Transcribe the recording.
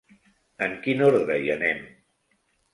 En quin ordre hi anem?